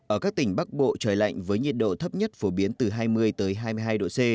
ở các tỉnh bắc bộ trời lạnh với nhiệt độ thấp nhất phổ biến từ hai mươi hai mươi hai độ c